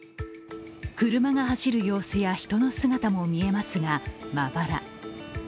車が走る様子や人の姿も見えますが、まばら。